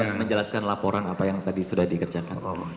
ya menjelaskan laporan apa yang tadi sudah dikerjakan